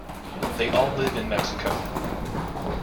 They all live in Mexico.